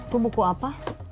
kau buku apa